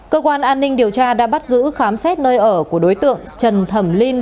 cơ quan an ninh điều tra đã bắt giữ khám xét nơi ở của đối tượng trần thẩm linh